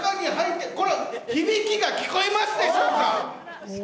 響きが、聞こえますでしょうか。